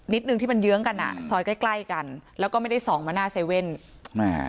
นิดนึงที่มันเยื้องกันอ่ะซ่อยใกล้กันแล้วก็ไม่ได้ส่องมาหน้า๗